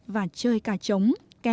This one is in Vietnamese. và chơi cả trống